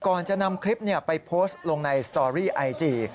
ก่อนจะนำคลิปไปโพสต์ลงในสตอรี่ไอจี